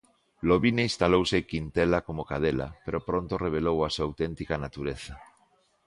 Lobine instalouse en Quintela como cadela, pero pronto revelou a súa auténtica natureza.